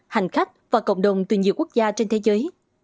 hành khách và cộng đồng từ nhiều quốc gia trên thế giới